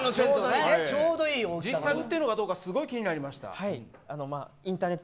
実際に売ってるのかすごく気になりました。